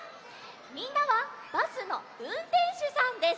みんなはバスのうんてんしゅさんです。